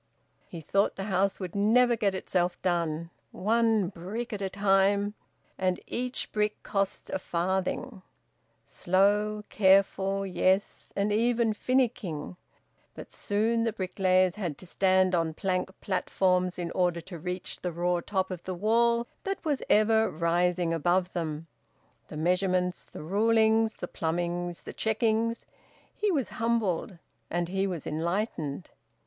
He thought the house would never get itself done one brick at a time and each brick cost a farthing slow, careful; yes, and even finicking. But soon the bricklayers had to stand on plank platforms in order to reach the raw top of the wall that was ever rising above them. The measurements, the rulings, the plumbings, the checkings! He was humbled and he was enlightened.